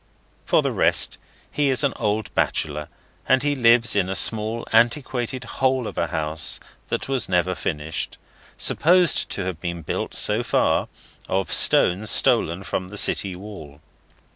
For the rest, he is an old bachelor, and he lives in a little antiquated hole of a house that was never finished: supposed to be built, so far, of stones stolen from the city wall.